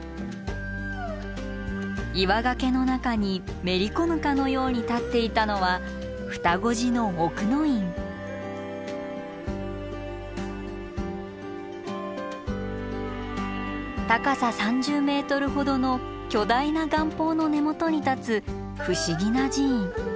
岩崖の中にめり込むかのように立っていたのは高さ３０ｍほどの巨大な岩峰の根元に立つ不思議な寺院。